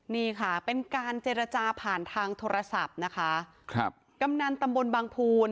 นี่ค่ะเป็นการเจรจาผ่านทางโทรศัพท์นะคะครับกำนันตำบลบางภูน